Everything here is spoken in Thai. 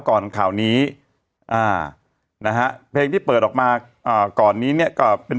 ข่าวนี้อ่านะฮะเพลงที่เปิดออกมาอ่าก่อนนี้เนี่ยก็เป็น